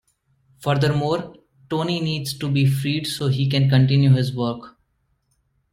Furthermore, Tony needs to be freed so he can continue his work.